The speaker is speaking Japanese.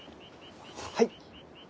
はい。